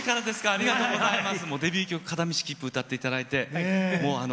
ありがとうございます。